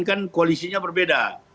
kan koalisinya berbeda